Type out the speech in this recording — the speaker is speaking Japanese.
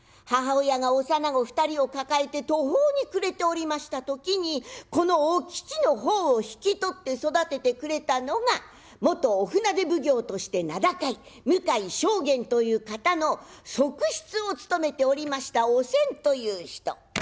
母親が幼子２人を抱えて途方に暮れておりました時にこのお吉の方を引き取って育ててくれたのが元御船手奉行として名高い向井将監という方の側室を務めておりましたおせんという人。